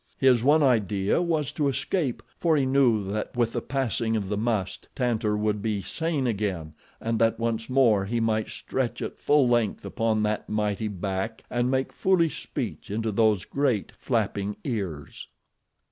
His one idea was to escape, for he knew that with the passing of the must Tantor would be sane again and that once more he might stretch at full length upon that mighty back and make foolish speech into those great, flapping ears.